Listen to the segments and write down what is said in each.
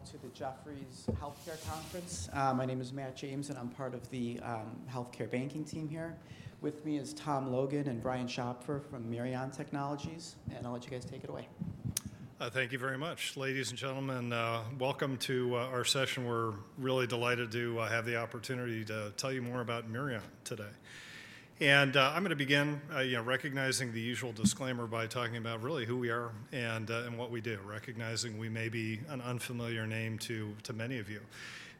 Welcome, you all, to the Jefferies Healthcare Conference. My name is Matt James, and I'm part of the healthcare banking team here. With me is Tom Logan and Brian Schopfer from Mirion Technologies, and I'll let you guys take it away. Thank you very much, ladies and gentlemen. Welcome to our session. We're really delighted to have the opportunity to tell you more about Mirion today. I'm going to begin recognizing the usual disclaimer by talking about really who we are and what we do, recognizing we may be an unfamiliar name to many of you.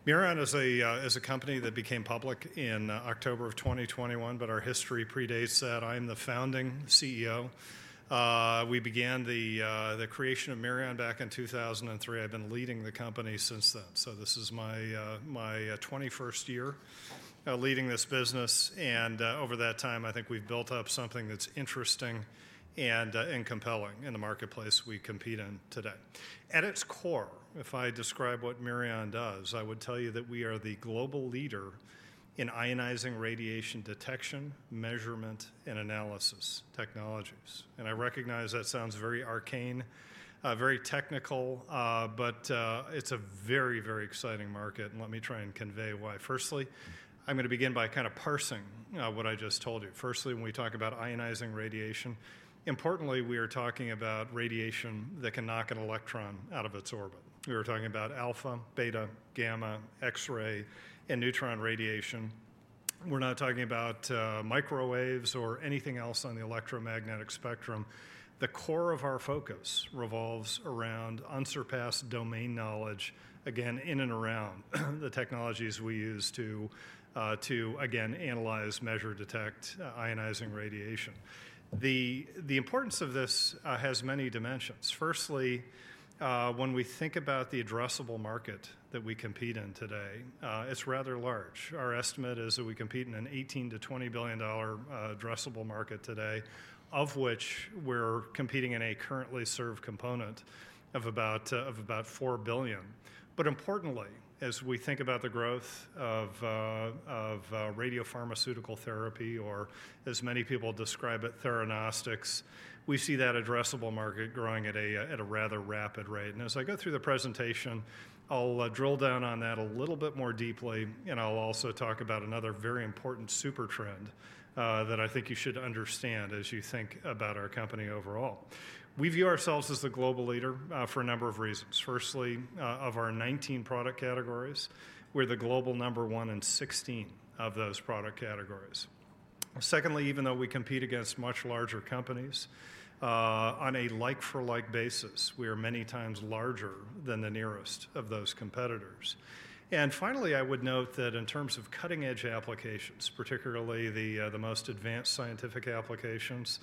Mirion is a company that became public in October of 2021, but our history predates that. I'm the founding CEO. We began the creation of Mirion back in 2003. I've been leading the company since then. This is my 21st year leading this business. Over that time, I think we've built up something that's interesting and compelling in the marketplace we compete in today. At its core, if I describe what Mirion does, I would tell you that we are the global leader in ionizing radiation detection, measurement, and analysis technologies. And I recognize that sounds very arcane, very technical, but it's a very, very exciting market. And let me try and convey why. Firstly, I'm going to begin by kind of parsing what I just told you. Firstly, when we talk about ionizing radiation, importantly, we are talking about radiation that can knock an electron out of its orbit. We were talking about alpha, beta, gamma, X-ray, and neutron radiation. We're not talking about microwaves or anything else on the electromagnetic spectrum. The core of our focus revolves around unsurpassed domain knowledge, again, in and around the technologies we use to, again, analyze, measure, detect ionizing radiation. The importance of this has many dimensions. Firstly, when we think about the addressable market that we compete in today, it's rather large. Our estimate is that we compete in a $18-$20 billion addressable market today, of which we're competing in a currently served component of about $4 billion. But importantly, as we think about the growth of radiopharmaceutical therapy, or as many people describe it, theranostics, we see that addressable market growing at a rather rapid rate. And as I go through the presentation, I'll drill down on that a little bit more deeply, and I'll also talk about another very important super trend that I think you should understand as you think about our company overall. We view ourselves as the global leader for a number of reasons. Firstly, of our 19 product categories, we're the global number one in 16 of those product categories. Secondly, even though we compete against much larger companies, on a like-for-like basis, we are many times larger than the nearest of those competitors. Finally, I would note that in terms of cutting-edge applications, particularly the most advanced scientific applications,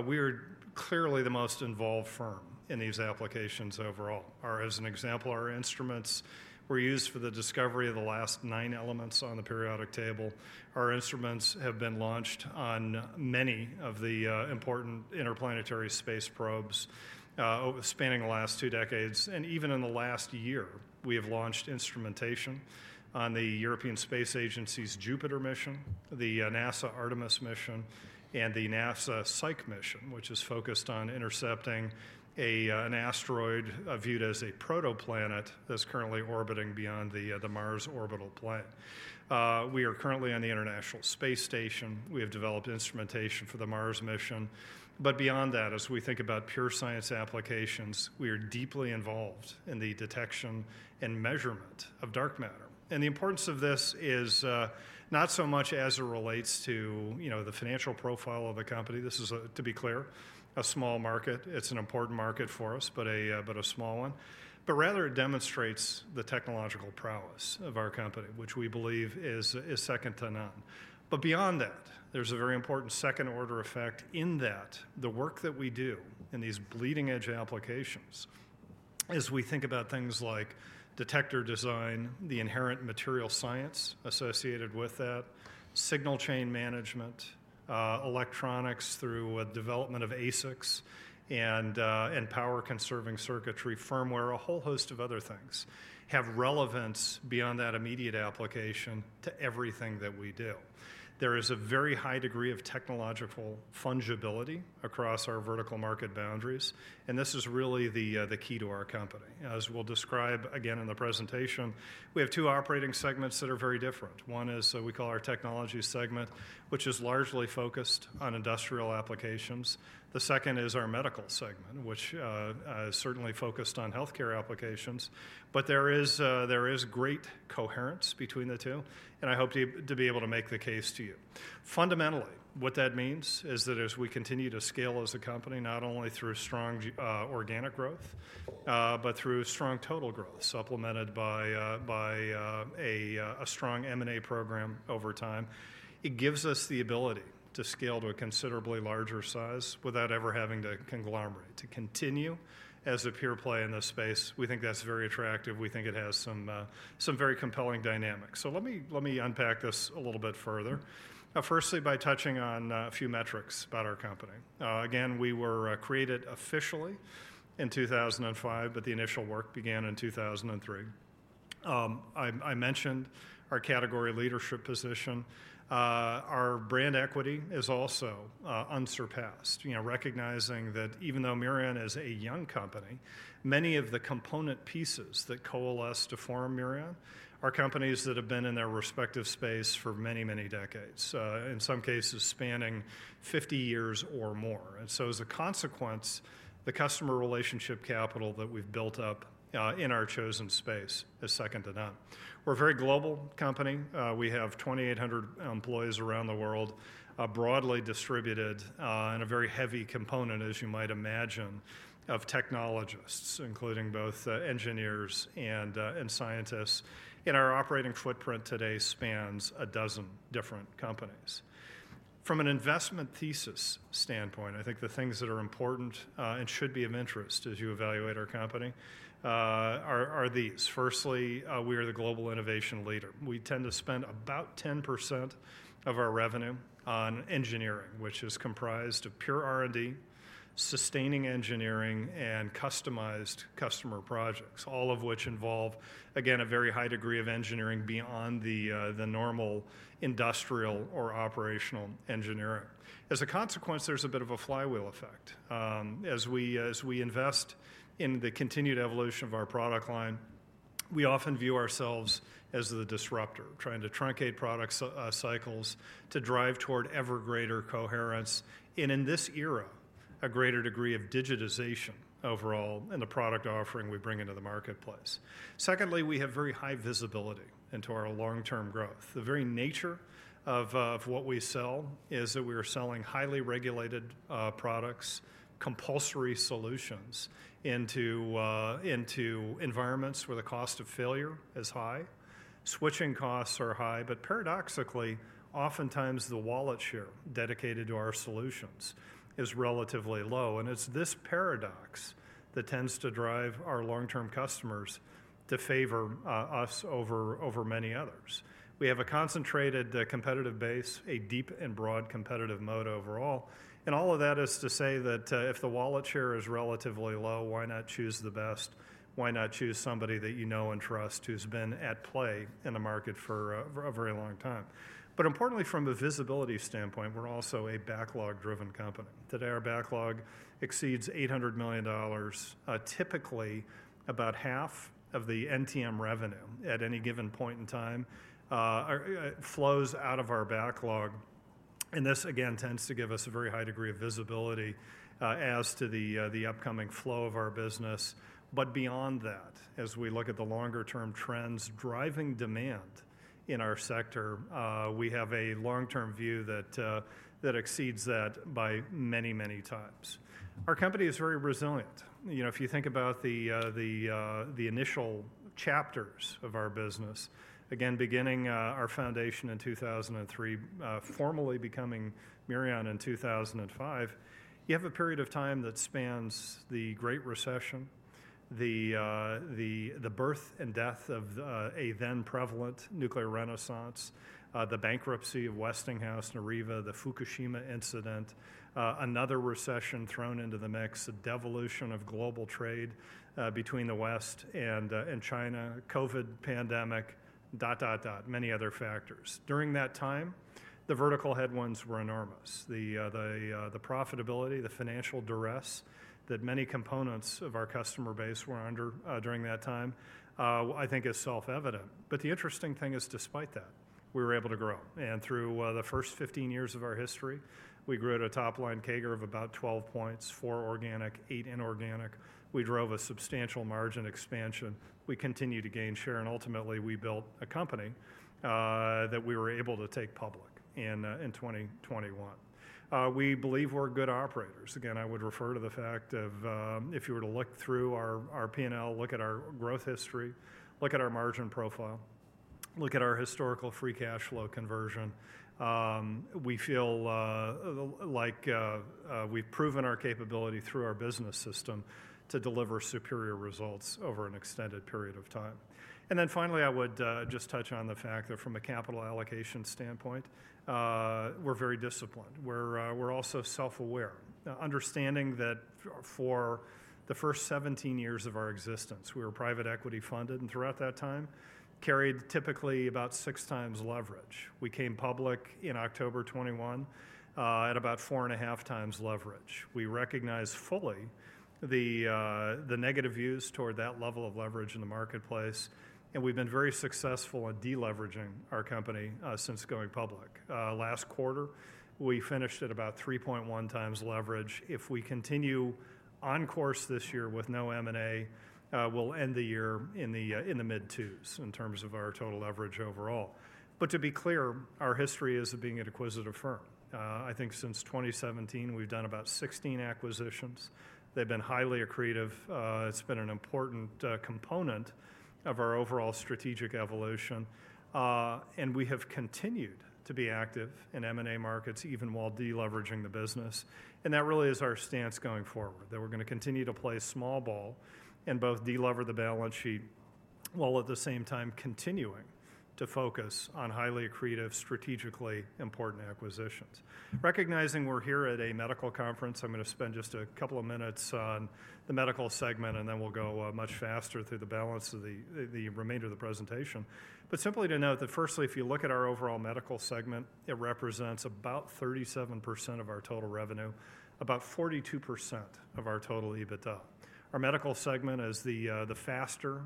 we are clearly the most involved firm in these applications overall. As an example, our instruments were used for the discovery of the last nine elements on the periodic table. Our instruments have been launched on many of the important interplanetary space probes spanning the last two decades. And even in the last year, we have launched instrumentation on the European Space Agency's Jupiter mission, the NASA Artemis mission, and the NASA Psyche mission, which is focused on intercepting an asteroid viewed as a protoplanet that's currently orbiting beyond the Mars orbital planet. We are currently on the International Space Station. We have developed instrumentation for the Mars mission. But beyond that, as we think about pure science applications, we are deeply involved in the detection and measurement of dark matter. And the importance of this is not so much as it relates to the financial profile of a company. This is, to be clear, a small market. It's an important market for us, but a small one. But rather, it demonstrates the technological prowess of our company, which we believe is second to none. But beyond that, there's a very important second-order effect in that the work that we do in these bleeding-edge applications, as we think about things like detector design, the inherent material science associated with that, signal chain management, electronics through development of ASICs, and power-conserving circuitry firmware, a whole host of other things, have relevance beyond that immediate application to everything that we do. There is a very high degree of technological fungibility across our vertical market boundaries, and this is really the key to our company. As we'll describe again in the presentation, we have two operating segments that are very different. One is what we call our technology segment, which is largely focused on industrial applications. The second is our medical segment, which is certainly focused on healthcare applications. But there is great coherence between the two, and I hope to be able to make the case to you. Fundamentally, what that means is that as we continue to scale as a company, not only through strong organic growth, but through strong total growth supplemented by a strong M&A program over time, it gives us the ability to scale to a considerably larger size without ever having to conglomerate, to continue as a pure play in this space. We think that's very attractive. We think it has some very compelling dynamics. So let me unpack this a little bit further. Firstly, by touching on a few metrics about our company. Again, we were created officially in 2005, but the initial work began in 2003. I mentioned our category leadership position. Our brand equity is also unsurpassed, recognizing that even though Mirion is a young company, many of the component pieces that coalesce to form Mirion are companies that have been in their respective space for many, many decades, in some cases spanning 50 years or more. And so as a consequence, the customer relationship capital that we've built up in our chosen space is second to none. We're a very global company. We have 2,800 employees around the world, broadly distributed in a very heavy component, as you might imagine, of technologists, including both engineers and scientists. And our operating footprint today spans 12 different companies. From an investment thesis standpoint, I think the things that are important and should be of interest as you evaluate our company are these. Firstly, we are the global innovation leader. We tend to spend about 10% of our revenue on engineering, which is comprised of pure R&D, sustaining engineering, and customized customer projects, all of which involve, again, a very high degree of engineering beyond the normal industrial or operational engineering. As a consequence, there's a bit of a flywheel effect. As we invest in the continued evolution of our product line, we often view ourselves as the disruptor, trying to truncate product cycles to drive toward ever greater coherence, and in this era, a greater degree of digitization overall in the product offering we bring into the marketplace. Secondly, we have very high visibility into our long-term growth. The very nature of what we sell is that we are selling highly regulated products, compulsory solutions into environments where the cost of failure is high. Switching costs are high, but paradoxically, oftentimes the wallet share dedicated to our solutions is relatively low. It's this paradox that tends to drive our long-term customers to favor us over many others. We have a concentrated competitive base, a deep and broad competitive moat overall. All of that is to say that if the wallet share is relatively low, why not choose the best? Why not choose somebody that you know and trust who's been at play in the market for a very long time? But importantly, from a visibility standpoint, we're also a backlog-driven company. Today, our backlog exceeds $800 million. Typically, about half of the NTM revenue at any given point in time flows out of our backlog. And this, again, tends to give us a very high degree of visibility as to the upcoming flow of our business. But beyond that, as we look at the longer-term trends driving demand in our sector, we have a long-term view that exceeds that by many, many times. Our company is very resilient. If you think about the initial chapters of our business, again, beginning our foundation in 2003, formally becoming Mirion in 2005, you have a period of time that spans the Great Recession, the birth and death of a then-prevalent nuclear renaissance, the bankruptcy of Westinghouse, Areva, the Fukushima incident, another recession thrown into the mix, the devolution of global trade between the West and China, COVID pandemic, dot, dot, dot, many other factors. During that time, the vertical headwinds were enormous. The profitability, the financial duress that many components of our customer base were under during that time, I think, is self-evident. But the interesting thing is, despite that, we were able to grow. And through the first 15 years of our history, we grew at a top-line CAGR of about 12 points, four organic, eight inorganic. We drove a substantial margin expansion. We continued to gain share. And ultimately, we built a company that we were able to take public in 2021. We believe we're good operators. Again, I would refer to the fact of if you were to look through our P&L, look at our growth history, look at our margin profile, look at our historical free cash flow conversion, we feel like we've proven our capability through our business system to deliver superior results over an extended period of time. And then finally, I would just touch on the fact that from a capital allocation standpoint, we're very disciplined. We're also self-aware, understanding that for the first 17 years of our existence, we were private equity funded. Throughout that time, carried typically about 6x leverage. We came public in October 2021 at about 4.5x leverage. We recognize fully the negative views toward that level of leverage in the marketplace. We've been very successful at deleveraging our company since going public. Last quarter, we finished at about 3.1x leverage. If we continue on course this year with no M&A, we'll end the year in the mid-2s in terms of our total leverage overall. To be clear, our history is of being an acquisitive firm. I think since 2017, we've done about 16 acquisitions. They've been highly accretive. It's been an important component of our overall strategic evolution. We have continued to be active in M&A markets, even while deleveraging the business. That really is our stance going forward, that we're going to continue to play small ball and both deliver the balance sheet while at the same time continuing to focus on highly accretive, strategically important acquisitions. Recognizing we're here at a medical conference, I'm going to spend just a couple of minutes on the medical segment, and then we'll go much faster through the balance of the remainder of the presentation. Simply to note that firstly, if you look at our overall medical segment, it represents about 37% of our total revenue, about 42% of our total EBITDA. Our medical segment is the faster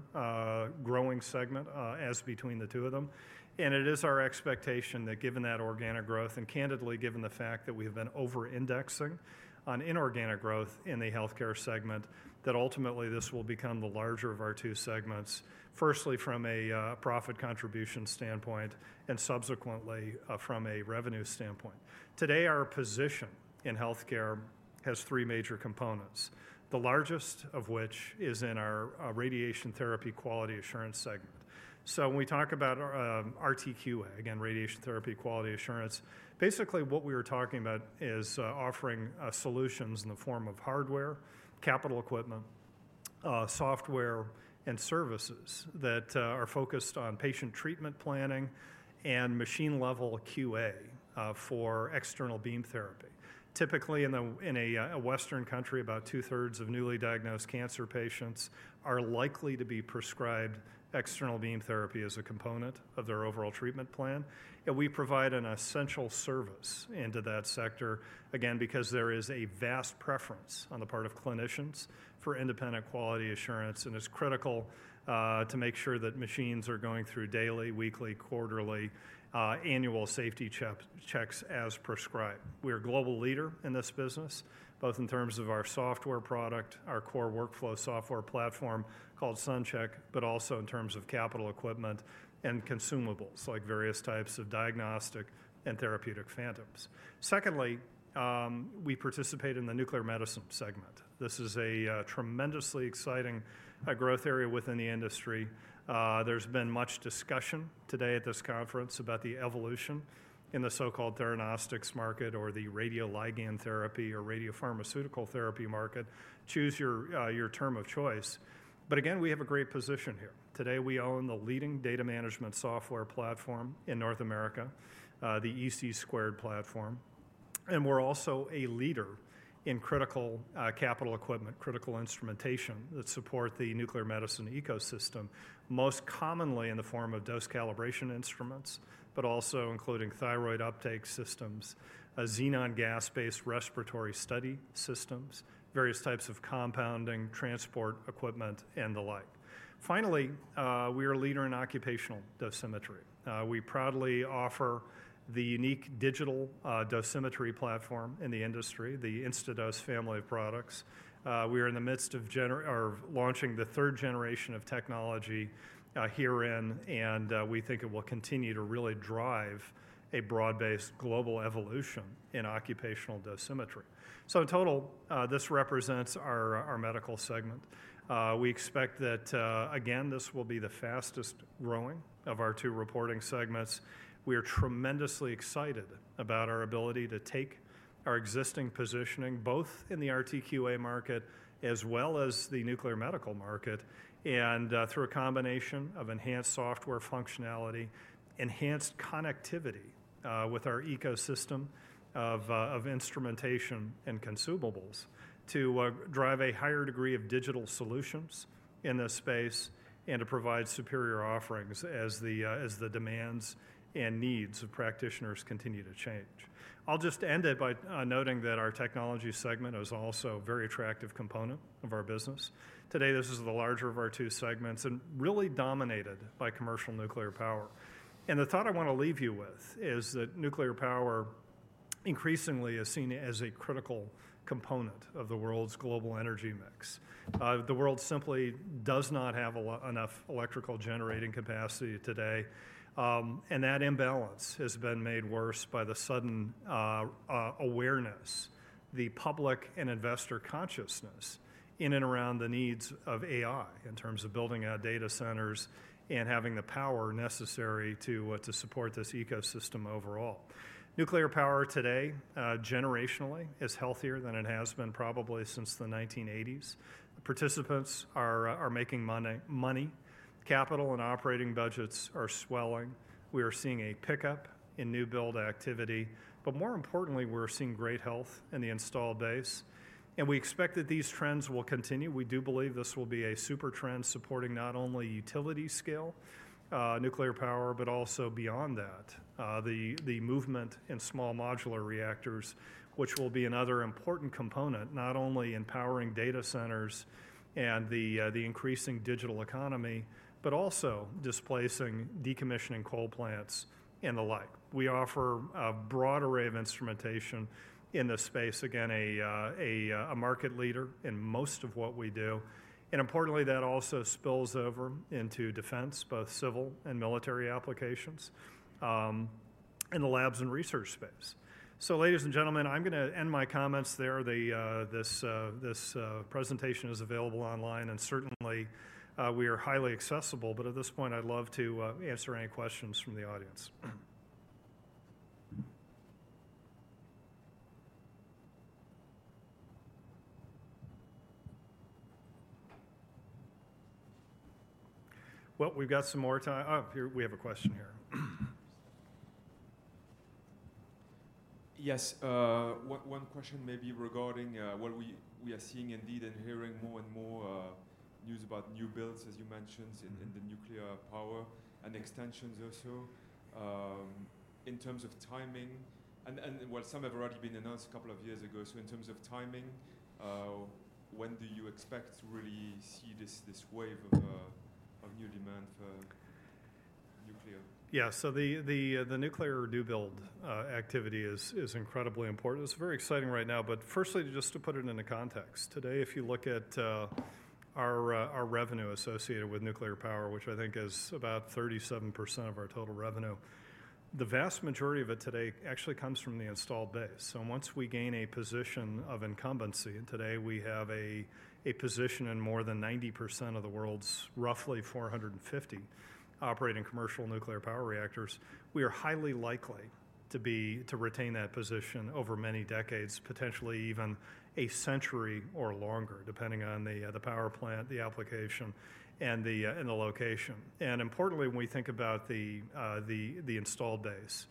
growing segment as between the two of them. It is our expectation that given that organic growth and candidly, given the fact that we have been over-indexing on inorganic growth in the healthcare segment, that ultimately this will become the larger of our two segments, firstly from a profit contribution standpoint and subsequently from a revenue standpoint. Today, our position in healthcare has three major components, the largest of which is in our radiation therapy quality assurance segment. So when we talk about RTQA, again, radiation therapy quality assurance, basically what we are talking about is offering solutions in the form of hardware, capital equipment, software, and services that are focused on patient treatment planning and machine-level QA for external beam therapy. Typically, in a Western country, about two-thirds of newly diagnosed cancer patients are likely to be prescribed external beam therapy as a component of their overall treatment plan. We provide an essential service into that sector, again, because there is a vast preference on the part of clinicians for independent quality assurance. It's critical to make sure that machines are going through daily, weekly, quarterly, annual safety checks as prescribed. We are a global leader in this business, both in terms of our software product, our core workflow software platform called SunCHECK, but also in terms of capital equipment and consumables like various types of diagnostic and therapeutic phantoms. Secondly, we participate in the nuclear medicine segment. This is a tremendously exciting growth area within the industry. There's been much discussion today at this conference about the evolution in the so-called theranostics market or the radioligand therapy or radiopharmaceutical therapy market. Choose your term of choice. But again, we have a great position here. Today, we own the leading data management software platform in North America, the EC2 platform. We're also a leader in critical capital equipment, critical instrumentation that support the nuclear medicine ecosystem, most commonly in the form of dose calibration instruments, but also including thyroid uptake systems, xenon gas-based respiratory study systems, various types of compounding, transport equipment, and the like. Finally, we are a leader in occupational dosimetry. We proudly offer the unique digital dosimetry platform in the industry, the Instadose family of products. We are in the midst of launching the third generation of technology here in, and we think it will continue to really drive a broad-based global evolution in occupational dosimetry. In total, this represents our medical segment. We expect that, again, this will be the fastest growing of our two reporting segments. We are tremendously excited about our ability to take our existing positioning, both in the RTQA market as well as the nuclear medical market, and through a combination of enhanced software functionality, enhanced connectivity with our ecosystem of instrumentation and consumables to drive a higher degree of digital solutions in this space and to provide superior offerings as the demands and needs of practitioners continue to change. I'll just end it by noting that our technology segment is also a very attractive component of our business. Today, this is the larger of our two segments and really dominated by commercial nuclear power. The thought I want to leave you with is that nuclear power increasingly is seen as a critical component of the world's global energy mix. The world simply does not have enough electrical generating capacity today. That imbalance has been made worse by the sudden awareness, the public and investor consciousness in and around the needs of AI in terms of building out data centers and having the power necessary to support this ecosystem overall. Nuclear power today, generationally, is healthier than it has been probably since the 1980s. Participants are making money. Capital and operating budgets are swelling. We are seeing a pickup in new build activity. But more importantly, we're seeing great health in the installed base. And we expect that these trends will continue. We do believe this will be a super trend supporting not only utility scale nuclear power, but also beyond that, the movement in small modular reactors, which will be another important component, not only in powering data centers and the increasing digital economy, but also displacing decommissioning coal plants and the like. We offer a broad array of instrumentation in this space, again, a market leader in most of what we do. And importantly, that also spills over into defense, both civil and military applications, and the labs and research space. So ladies and gentlemen, I'm going to end my comments there. This presentation is available online and certainly we are highly accessible. But at this point, I'd love to answer any questions from the audience. Well, we've got some more time. Oh, we have a question here. Yes. One question maybe regarding what we are seeing indeed and hearing more and more news about new builds, as you mentioned, in the nuclear power and extensions also, in terms of timing. And while some have already been announced a couple of years ago, so in terms of timing, when do you expect to really see this wave of new demand for nuclear? Yeah. So the nuclear do-build activity is incredibly important. It's very exciting right now. But firstly, just to put it into context, today, if you look at our revenue associated with nuclear power, which I think is about 37% of our total revenue, the vast majority of it today actually comes from the installed base. So once we gain a position of incumbency, and today we have a position in more than 90% of the world's roughly 450 operating commercial nuclear power reactors, we are highly likely to retain that position over many decades, potentially even a century or longer, depending on the power plant, the application, and the location. And importantly, when we think about the installed base,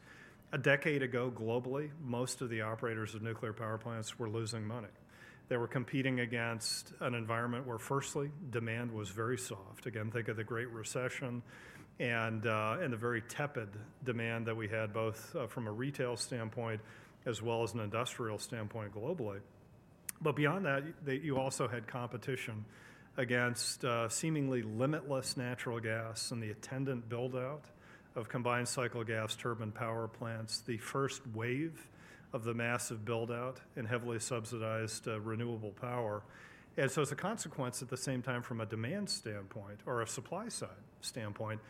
a decade ago globally, most of the operators of nuclear power plants were losing money. They were competing against an environment where firstly, demand was very soft. Again, think of the Great Recession and the very tepid demand that we had both from a retail standpoint as well as an industrial standpoint globally. But beyond that, you also had competition against seemingly limitless natural gas and the attendant buildout of combined cycle gas turbine power plants, the first wave of the massive buildout in heavily subsidized renewable power. And so as a consequence, at the same time, from a demand standpoint or a supply side standpoint,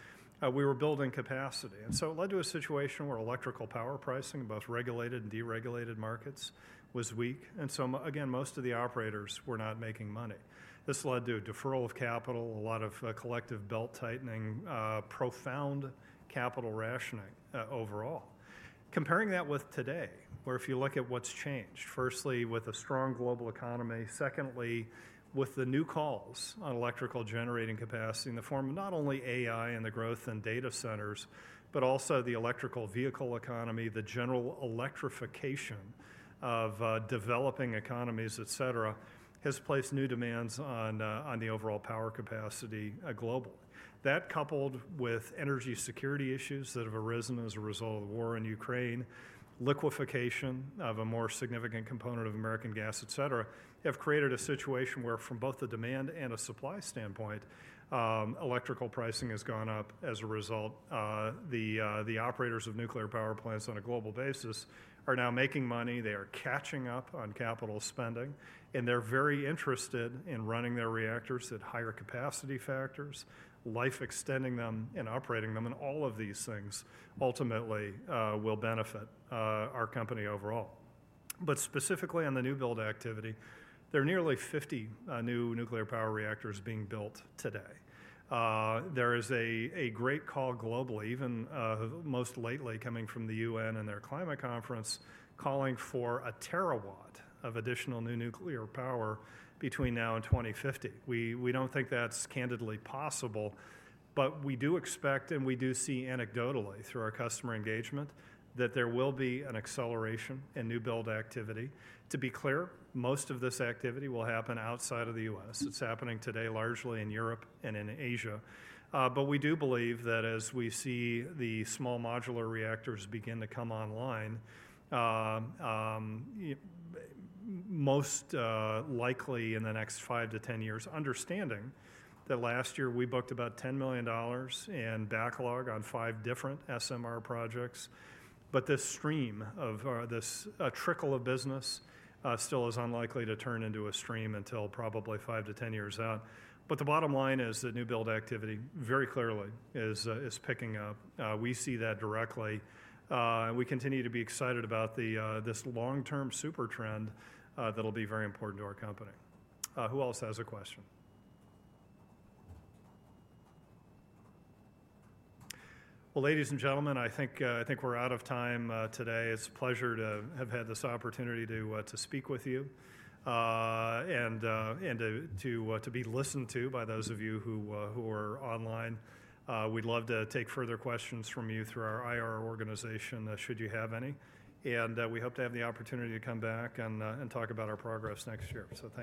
we were building capacity. And so it led to a situation where electrical power pricing in both regulated and deregulated markets was weak. And so again, most of the operators were not making money. This led to a deferral of capital, a lot of collective belt tightening, profound capital rationing overall. Comparing that with today, where if you look at what's changed, firstly, with a strong global economy, secondly, with the new calls on electrical generating capacity in the form of not only AI and the growth in data centers, but also the electric vehicle economy, the general electrification of developing economies, etc., has placed new demands on the overall power capacity globally. That coupled with energy security issues that have arisen as a result of the war in Ukraine, liquefaction of a more significant component of American gas, etc., have created a situation where from both the demand and a supply standpoint, electrical pricing has gone up as a result. The operators of nuclear power plants on a global basis are now making money. They are catching up on capital spending. They're very interested in running their reactors at higher capacity factors, life extending them and operating them. All of these things ultimately will benefit our company overall. But specifically on the new build activity, there are nearly 50 new nuclear power reactors being built today. There is a great call globally, even most lately coming from the UN and their climate conference, calling for a terawatt of additional new nuclear power between now and 2050. We don't think that's candidly possible, but we do expect and we do see anecdotally through our customer engagement that there will be an acceleration in new build activity. To be clear, most of this activity will happen outside of the U.S. It's happening today largely in Europe and in Asia. But we do believe that as we see the small modular reactors begin to come online, most likely in the next 5-10 years, understanding that last year we booked about $10 million in backlog on 5 different SMR projects. But this stream of this trickle of business still is unlikely to turn into a stream until probably 5-10 years out. But the bottom line is that new build activity very clearly is picking up. We see that directly. We continue to be excited about this long-term super trend that'll be very important to our company. Who else has a question? Well, ladies and gentlemen, I think we're out of time today. It's a pleasure to have had this opportunity to speak with you and to be listened to by those of you who are online. We'd love to take further questions from you through our IR organization should you have any. We hope to have the opportunity to come back and talk about our progress next year. Thanks.